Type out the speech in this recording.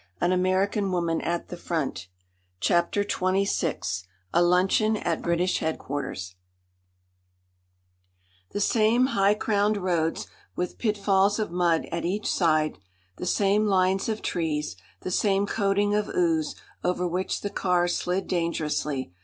"(Signed), KITCHENER, Field Marshal," CHAPTER XXVI A LUNCHEON AT BRITISH HEADQUARTERS The same high crowned roads, with pitfalls of mud at each side; the same lines of trees; the same coating of ooze, over which the car slid dangerously.